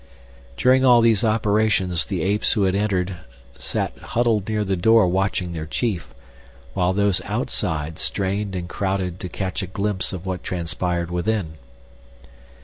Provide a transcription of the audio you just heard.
During all these operations the apes who had entered sat huddled near the door watching their chief, while those outside strained and crowded to catch a glimpse of what transpired within.